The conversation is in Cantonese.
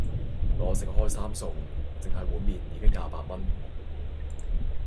我食開三餸,淨係碗麵已經廿八蚊